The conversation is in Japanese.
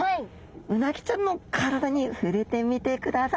うなぎちゃんの体に触れてみてください。